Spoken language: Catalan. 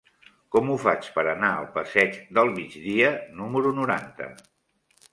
Com ho faig per anar al passeig del Migdia número noranta?